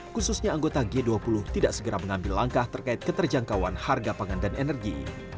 khususnya anggota g dua puluh tidak segera mengambil langkah terkait keterjangkauan harga pangan dan energi